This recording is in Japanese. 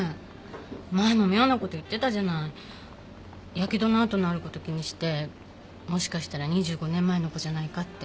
ヤケドの跡のあること気にしてもしかしたら２５年前の子じゃないかって。